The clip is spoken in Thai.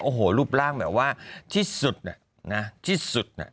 โอ้โหรูปร่างแบบว่าที่สุดที่สุดน่ะ